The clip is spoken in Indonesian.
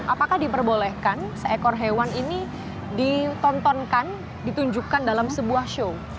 apakah diperbolehkan seekor hewan ini ditontonkan ditunjukkan dalam sebuah show